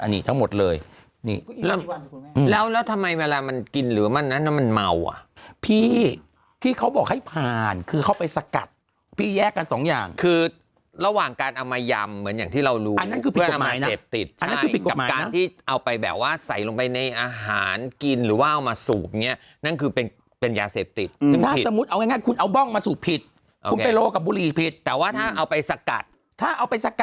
น้ำมันเมาอ่ะพี่ที่เขาบอกให้ผ่านคือเข้าไปสกัดพี่แยกกันสองอย่างคือระหว่างการเอามายำเหมือนอย่างที่เรารู้อันนั้นคือว่าอาหารเสพติดกับการที่เอาไปแบบว่าใส่ลงไปในอาหารกินหรือว่ามาสูบเนี่ยนั่นคือเป็นเป็นยาเสพติดถ้าสมมุติเอาง่ายคุณเอาบ้องมาสูบผิดคุณไปโรคกับบุรีผิดแต่ว่าถ้าเอาไปสกั